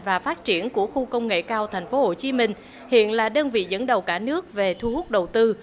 và phát triển của khu công nghệ cao thành phố hồ chí minh hiện là đơn vị dẫn đầu cả nước về thu hút đầu tư